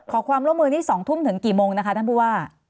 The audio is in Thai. ขอความร่วมมือนี่๒ทุ่มถึงกี่โมงนะคะท่านผู้ว่า